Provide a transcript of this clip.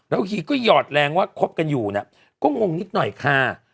ฮีก็หยอดแรงว่าคบกันอยู่เนี่ยก็งงนิดหน่อยค่ะ